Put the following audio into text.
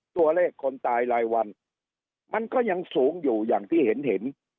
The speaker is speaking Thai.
ตัวเลขคนตายรายวันมันก็ยังสูงอยู่อย่างที่เห็น